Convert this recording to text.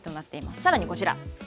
さらにこちら。